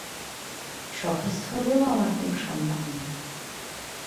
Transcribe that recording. সভাস্থলেও আমার কোনো সম্মান নাই।